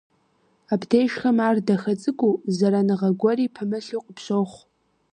Абдежхэм ар дахэ цӀыкӀуу, зэраныгъэ гуэри пымылъу къыпщохъу.